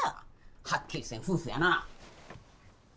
はっきりせん夫婦やな。